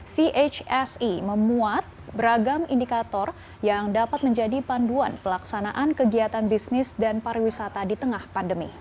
chse memuat beragam indikator yang dapat menjadi panduan pelaksanaan kegiatan bisnis dan pariwisata di tengah pandemi